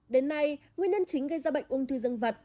đến nay nguyên nhân chính gây ra bệnh ung thư dân vật